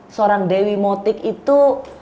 seorang dewi motik itu